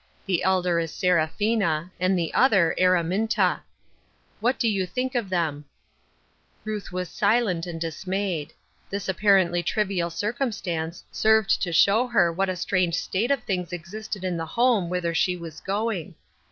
The elder is Scrap hina and the other Araminta. What do you thinls of them ?" 282 Ruth Urskine's Crosses. Ruth was silent aud dismayed. This appar^ ently trivial circumstance served to show her what a strange state of things existed in the home whither she was going.